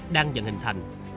đang dần hình thành